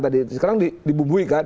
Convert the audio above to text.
tadi sekarang dibubuhi kan